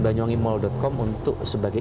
banyuwangi mall com untuk sebagai